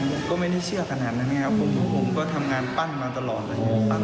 ผมก็ไม่ได้เชื่อขนาดนั้นนะครับผมก็ทำงานปั้นมาตลอดเลย